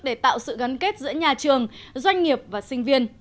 để tạo sự gắn kết giữa nhà trường doanh nghiệp và sinh viên